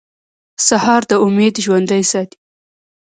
سهار د امید ژوندی ساتي.